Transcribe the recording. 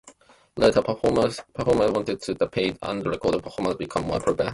Later, performers wanted to be paid, and recorded performances became more prevalent.